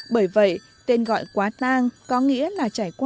bởi vậy tên gọi quá tang có nghĩa là trải qua